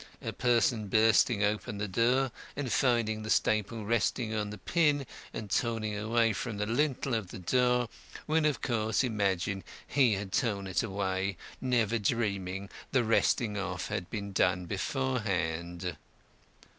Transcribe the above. A person bursting open the door and finding the staple resting on the pin and torn away from the lintel of the door, would, of course, imagine he had torn it away, never dreaming the wresting off had been done beforehand."